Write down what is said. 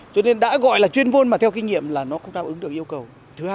cho nên đã gọi là chuyên môn mà theo kinh nghiệm là nó không đáp ứng được yêu cầu